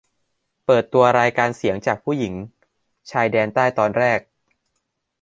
เปิดตัวรายการเสียงจากผู้หญิงชายแดนใต้ ตอนแรก